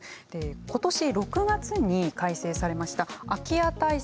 今年６月に改正されました空き家対策